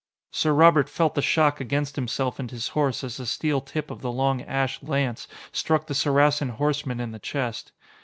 Sir Robert felt the shock against himself and his horse as the steel tip of the long ash lance struck the Saracen horseman in the chest.